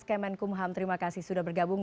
kemenkumham terima kasih sudah bergabung